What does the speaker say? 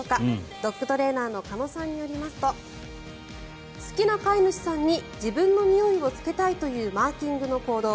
ドッグトレーナーの鹿野さんによりますと好きな飼い主さんに自分のにおいをつけたいというマーキングの行動。